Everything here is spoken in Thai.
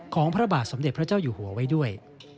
พระบาทสมเด็จพระเจ้าอยู่หัวไว้ด้วย